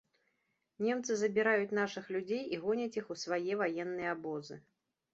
Немцы забіраюць нашых людзей і гоняць іх у свае ваенныя абозы.